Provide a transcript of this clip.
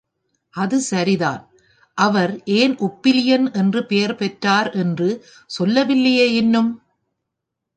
அது சரிதான் அவர் ஏன் உப்பிலியப்பன் என்று பெயர் பெற்றார் என்று சொல்ல வில்லையே இன்னும்?